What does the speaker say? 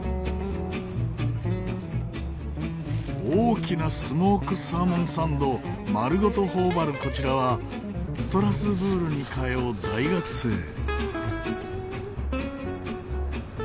大きなスモークサーモンサンドを丸ごと頬張るこちらはストラスブールに通う大学生。